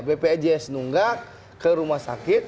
bpjs nunggak ke rumah sakit